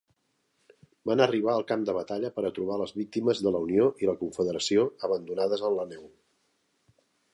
Van arribar al camp de batalla per a trobar les víctimes de la Unió i la Confederació abandonades en la neu.